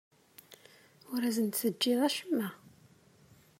Ur asen-d-teǧǧiḍ acemma.